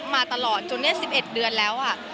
มาตลอดจนเนี่ย๑๑เดือนแล้วอ่ะ